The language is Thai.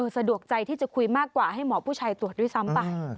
สะดวกใจที่จะคุยมากกว่าให้หมอผู้ชายตรวจด้วยซ้ำไป